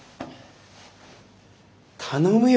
頼むよ